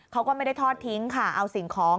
เขาก็ไม่ได้ทอดทิ้งค่ะเอาสิ่งของ